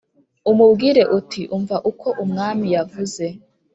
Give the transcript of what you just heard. umubwire uti umva uko umwami yavuze